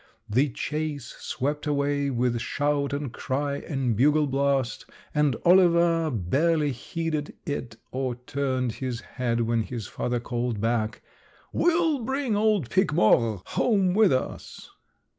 The chase swept away with shout and cry and bugle blast, and Oliver barely heeded it or turned his head when his father called back: 'We'll bring old Pique Mort home with us.'